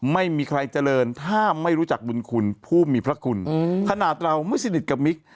ไม่มีใครเจริญถ้าไม่รู้จักบุญคุณผู้มีพระคุณขนาดเราไม่สนิทกับมิก